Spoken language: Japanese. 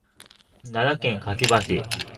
奈良県香芝市